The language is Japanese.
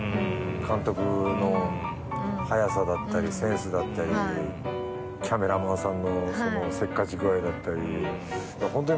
監督の早さだったりセンスだったりキャメラマンさんのそのせっかち具合だったり。